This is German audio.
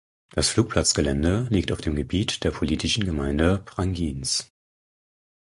Das Flugplatzgelände liegt auf dem Gebiet der politischen Gemeinde Prangins.